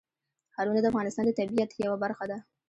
ښارونه د افغانستان د طبیعت یوه برخه ده.